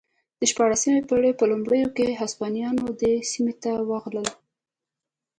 د شپاړسمې پېړۍ په لومړیو کې هسپانویان دې سیمې ته ورغلل